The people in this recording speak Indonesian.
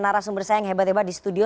narasumber saya yang hebat hebat di studio